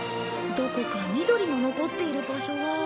どこか緑の残っている場所は。